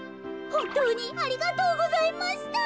ほんとうにありがとうございました。